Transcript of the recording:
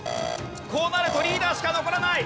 こうなるとリーダーしか残らない。